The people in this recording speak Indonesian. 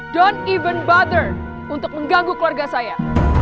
jangan bahkan mengganggu keluarga saya